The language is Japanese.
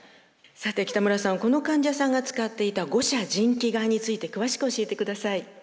さて北村さんこの患者さんが使っていた牛車腎気丸について詳しく教えてください。